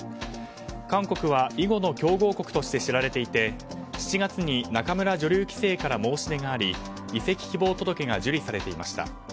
韓国は囲碁の強豪国として知られていて７月に仲邑女流棋聖から申し入れがあり移籍希望届けが受理されていました。